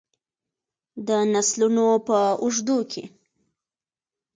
د نسلونو په اوږدو کې.